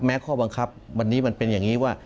ข้อบังคับวันนี้มันเป็นอย่างนี้ว่า